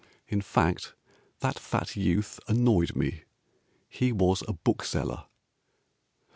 In fact, that fat youth Annoyed me. He Was A bookseller.